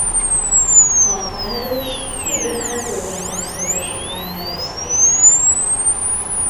A várost Abraham Owen ezredes után nevezték el.